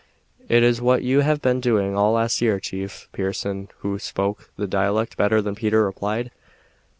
"It is what you have been doing all last year, chief," Pearson, who spoke the dialect better than Peter, replied.